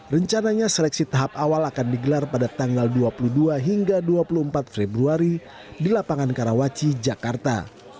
rencananya seleksi tahap awal akan digelar pada tanggal dua puluh dua hingga dua puluh empat februari di lapangan karawaci jakarta